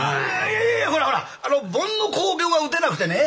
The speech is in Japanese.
いやいやほらほら盆の興業が打てなくてね